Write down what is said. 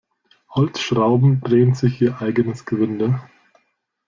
Holzschrauben drehen sich ihr eigenes Gewinde.